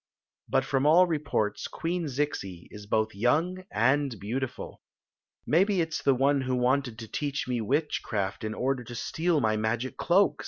But from all reports, Queen Zixi is both young and beautiful" "Maybe it s the one who wanted to teach me witchcraft in order to steal my magic cloak!"